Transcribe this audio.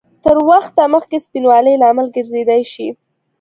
تر وخته مخکې سپینوالي لامل ګرځېدای شي؟